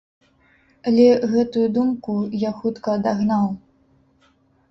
Але гэтую думку я хутка адагнаў.